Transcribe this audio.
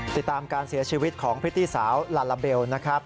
ติดตามการเสียชีวิตของพริตตี้สาวลาลาเบลนะครับ